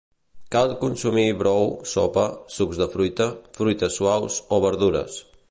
Cal consumir brou, sopa, sucs de fruita, fruites suaus o verdures.